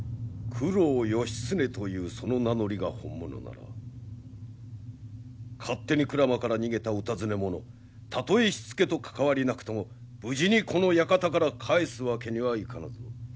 九郎義経というその名乗りが本物なら勝手に鞍馬から逃げたお尋ね者たとえ火付けと関わりなくとも無事にこの館から帰すわけにはいかぬぞ。